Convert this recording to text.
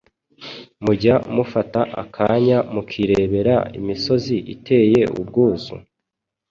mujya mufata akanya mukirebera imisozi iteye ubwuzu